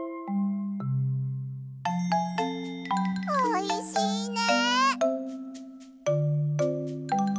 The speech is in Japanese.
おいしいね！